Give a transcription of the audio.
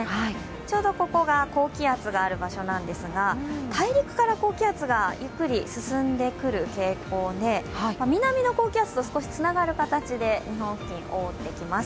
ちょうどここが高気圧がある場所なんですが大陸から高気圧がゆっくり進んでくる傾向で南の高気圧と少しつながる形で日本付近覆ってきます。